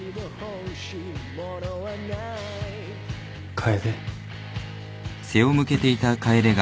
楓。